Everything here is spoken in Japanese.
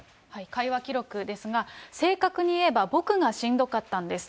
会話記録ですが、正確に言えば、僕がしんどかったんです。